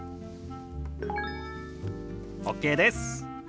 ＯＫです。